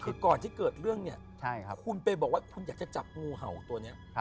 คือก่อนที่เกิดเรื่องเนี่ยคุณไปบอกว่าคุณอยากจะจับงูเห่าตัวนี้